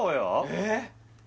えっ？